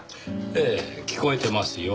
ええ聞こえてますよ。